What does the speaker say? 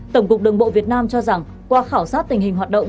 tổng cục đường bộ việt nam cho rằng qua khảo sát tình hình hoạt động